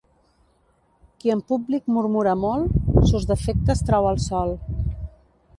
Qui en públic murmura molt, sos defectes trau al sol.